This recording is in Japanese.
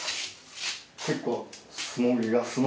結構。